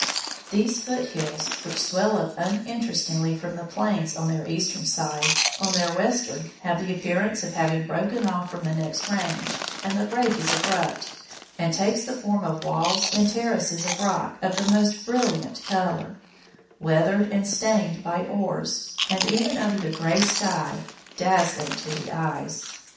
These Foot Hills, which swell up uninterestingly from the plains on their eastern side, on their western have the appearance of having broken off from the next range, and the break is abrupt, and takes the form of walls and terraces of rock of the most brilliant color, weathered and stained by ores, and, even under the grey sky, dazzling to the eyes.